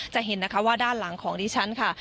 จะเห็นนะคะว่าด้านหลังของดิฉันค่ะ